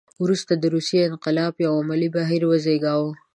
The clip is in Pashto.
وروسته د روسیې انقلاب یو عملي بهیر وزېږاوه.